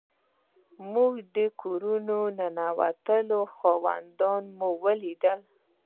موږ کور ته ننوتو او خاوند مو ولید.